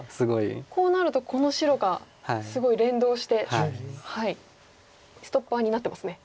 こうなるとこの白がすごい連動してストッパーになってますね。